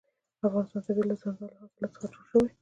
د افغانستان طبیعت له دځنګل حاصلات څخه جوړ شوی دی.